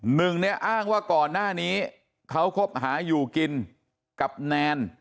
หนึ่งเนี่ยอ้างว่าก่อนหน้านี้เขาคบหาอยู่กินกับแนน